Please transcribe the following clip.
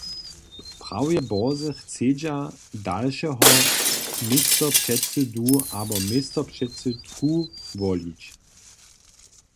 Prawje bórze chcedźa dalšeho městopředsydu abo městopředsydku wolić.